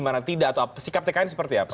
mana tidak atau sikap tkn seperti apa